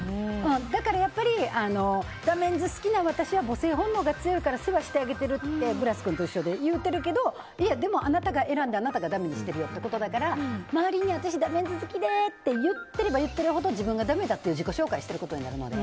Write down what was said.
だから、ダメンズ好きな私は母性本能が強いから世話をしてあげているとブラスさんみたいに言うてるけどでも、あなたが選んであなたがだめにしてるよってことだから周りに私ダメンズ好きでって言ってれば言ってるほど自分がダメだって自己紹介してることになるので。